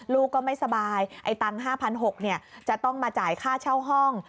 ลูกก็ไม่สบายไอ้ตังค์๕๖๐๐บาทจะต้องมาจ่ายค่าเช่าห้อง